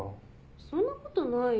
・そんなことないよ。